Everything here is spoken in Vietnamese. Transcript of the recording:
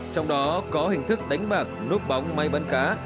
trong đó có hình thức đánh bạc núp bóng máy bắn cá